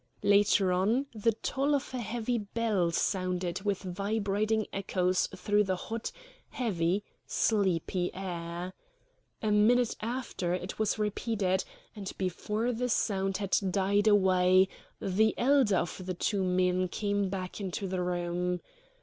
Later on the toll of a heavy bell sounded with vibrating echoes through the hot, heavy, sleepy air. A minute after it was repeated; and before the sound had died away the elder of the two men came back into the room.